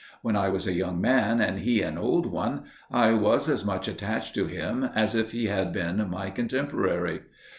When I was a young man and he an old one, I was as much attached to him as if he had been my contemporary.